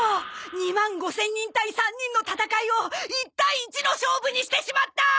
２万５０００人対３人の戦いを１対１の勝負にしてしまった！